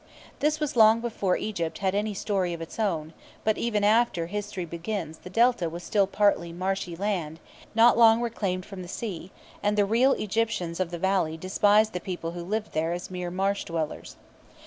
This was long before Egypt had any story of its own; but even after history begins the Delta was still partly marshy land, not long reclaimed from the sea, and the real Egyptians of the valley despised the people who lived there as mere marsh dwellers.